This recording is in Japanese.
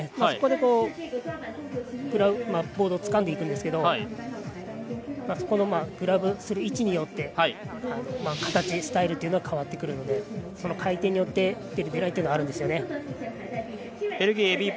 そこでボードをつかんでいくんですけどそこのグラブする位置によって形、スタイルというのは変わってくるので回転によってっていうのはあるんですよね。